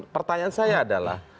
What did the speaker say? pertanyaan saya adalah